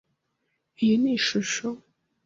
Iyi ni ishusho.